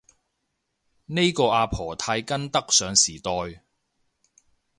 呢個阿婆太跟得上時代